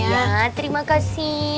iya terima kasih